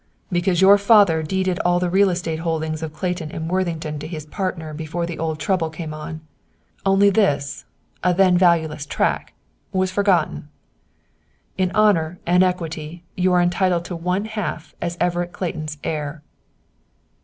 "Because your father deeded all the real estate holdings of Clayton & Worthington to his partner before the old trouble came on. Only this, a then valueless, tract was forgotten. "In honor and equity you are entitled to one half as Everett Clayton's heir."